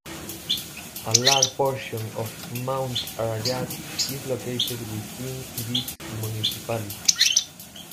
A large portion of Mount Arayat is located within this municipality.